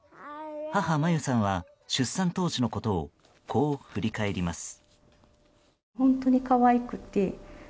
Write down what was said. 母・真由さんは出産当時のことをこう振り返ります。